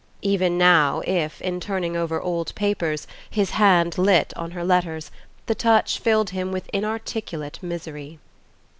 Even now, if, in turning over old papers, his hand lit on her letters, the touch filled him with inarticulate misery....